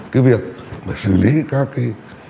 cái việc mà xử lý các cái